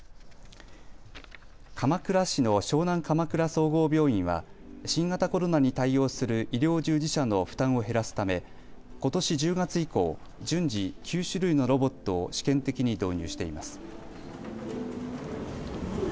鎌倉市の湘南鎌倉総合病院は新型コロナに対応する医療従事者の負担を減らすためことし１０月以降、順次、９種類のロボットを試験的に導入しています。